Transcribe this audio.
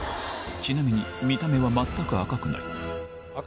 ちなみに見た目は全く赤くない